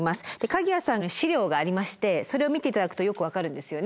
鍵屋さんの資料がありましてそれを見て頂くとよく分かるんですよね。